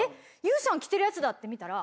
ＹＯＵさん着てるやつだって見たら。